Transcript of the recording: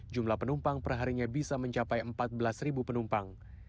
jumlah penumpang perharinya bisa mencapai empat belas penumpang